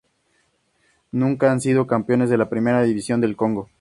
Nunca han sido campeones de la Primera División del Congo.